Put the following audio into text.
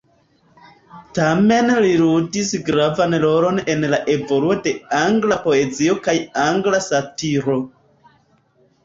Tamen li ludis gravan rolon en la evoluo de angla poezio kaj angla satiro.